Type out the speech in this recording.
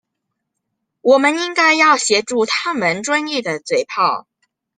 我們應該要協助他們專業的嘴砲